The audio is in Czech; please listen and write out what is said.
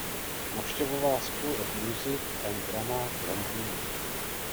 Navštěvovala School of Music and Drama v Londýně.